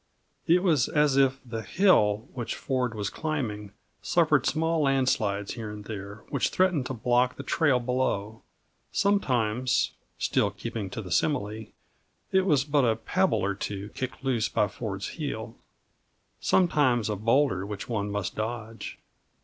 It was as if the "hill" which Ford was climbing suffered small landslides here and there, which threatened to block the trail below. Sometimes still keeping to the simile it was but a pebble or two kicked loose by Ford's heel; sometimes a bowlder which one must dodge.